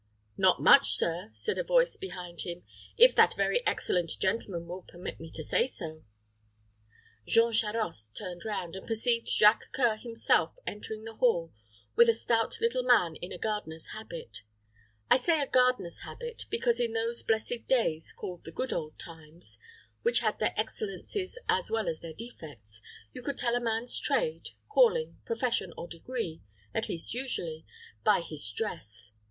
"Not much, sir," said a voice behind him; "if that very excellent gentleman will permit me to say so." Jean Charost turned round, and perceived Jacques C[oe]ur himself entering the hall with a stout little man in a gardener's habit. I say a gardener's habit, because in those blessed days, called the good old times, which had their excellences as well as their defects, you could tell a man's trade, calling, profession, or degree at least usually by his dress.